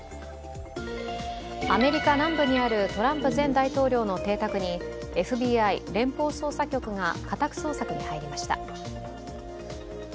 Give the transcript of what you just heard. アメリカ南部にあるトランプ前大統領の邸宅にＦＢＩ＝連邦捜査局が家宅捜索に入りました。